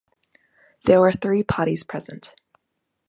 There were three parties present.